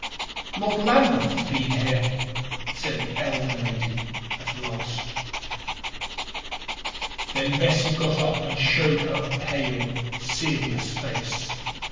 "Lord Lambeth has been here," said the elder lady at last. Then Bessie got up and showed her a pale, serious face.